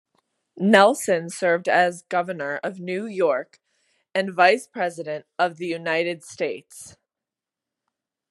Nelson served as Governor of New York and Vice President of the United States.